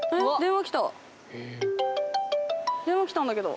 電話きたんだけど。